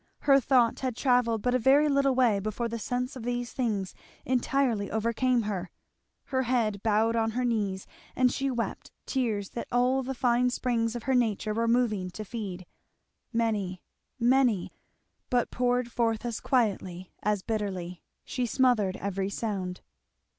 her thought had travelled but a very little way before the sense of these things entirely overcame her; her head bowed on her knees, and she wept tears that all the fine springs of her nature were moving to feed many, many, but poured forth as quietly as bitterly; she smothered every sound.